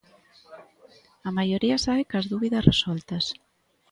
A maioría sae coas dúbidas resoltas.